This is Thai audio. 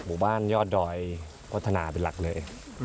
หมู่บ้านยอดดอยพัฒนาเป็นหลักเลย